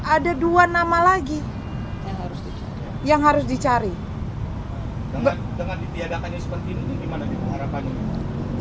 ada dua nama lagi yang harus dicari dengan ditiadakannya seperti ini dimana diharapkan